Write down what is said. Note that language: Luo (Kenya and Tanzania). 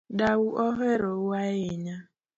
Dau ohero u ahinya